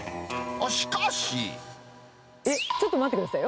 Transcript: しかし。え、ちょっと待ってくださいよ。